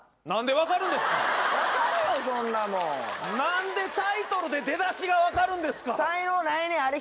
何で分かるんですか⁉何でタイトルで出だしが分かるんですか⁉才能ないねん！